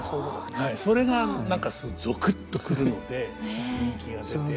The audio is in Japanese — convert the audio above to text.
それが何かすごくゾクッと来るので人気が出て。